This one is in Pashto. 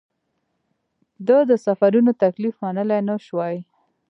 ده د سفرونو تکلیف منلای نه شوای.